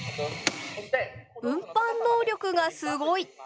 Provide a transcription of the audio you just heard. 運搬能力がすごい！